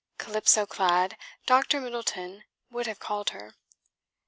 Calypso clad, Dr. Middleton would have called her.